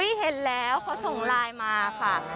เห็นแล้วเขาส่งไลน์มาค่ะ